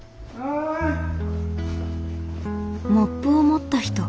モップを持った人。